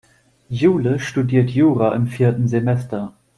Jule studiert Jura im vierten Semester.